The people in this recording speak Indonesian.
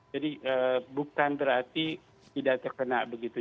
jadi bukan berarti tidak terkena begitu